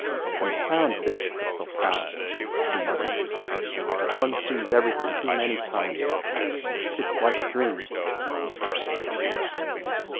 "Confound this crystal palace!" he muttered. "One sees everything too many times. It's like a dream."